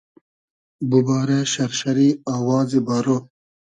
بوبارۂ شئرشئری آوازی بارۉ